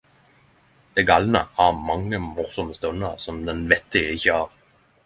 Dei galne har mange morosame stunder som den vettige ikkje har.